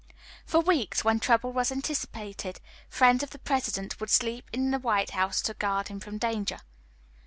For weeks, when trouble was anticipated, friends of the President would sleep in the White House to guard him from danger.